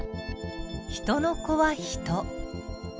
人の子は人。